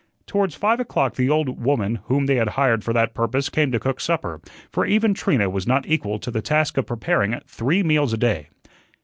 Towards five o'clock the old woman whom they had hired for that purpose came to cook supper, for even Trina was not equal to the task of preparing three meals a day.